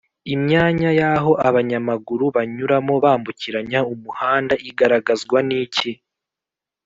imyanya yaho abanyamaguru banyuramo bambukiranya umuhanda igaragazwa n’iki